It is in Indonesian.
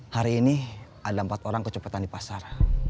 hari ini ada empat orang kecepatan di pasar